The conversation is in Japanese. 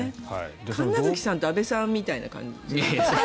神奈月さんと安部さんみたいな感じ。